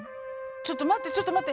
ちょっと待ってちょっと待って。